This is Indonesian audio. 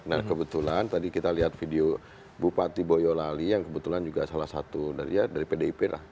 nah kebetulan tadi kita lihat video bupati boyolali yang kebetulan juga salah satu dari pdip lah